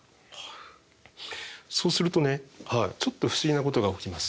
そうするとねちょっと不思議なことが起きます。